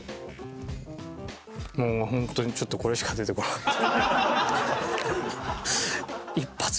もう本当にちょっとこれしか出てこなかった。